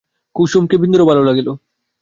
কুসুমকে বিন্দুরও ভালো লাগিল।